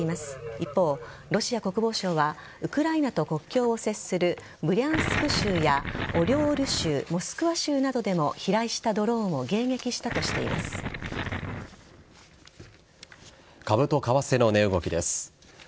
一方、ロシア国防省はウクライナと国境を接するブリャンスク州やオリョール州モスクワ州などでも飛来したドローンを株と為替の値動きです。